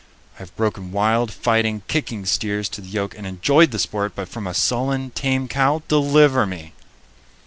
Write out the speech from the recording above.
I have broken wild, fighting, kicking steers to the yoke and enjoyed the sport, but from a sullen, tame cow, deliver me!